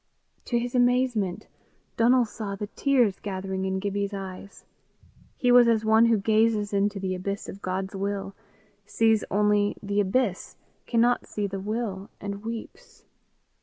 To his amazement, Donal saw the tears gathering in Gibbie's eyes. He was as one who gazes into the abyss of God's will sees only the abyss, cannot see the will, and weeps.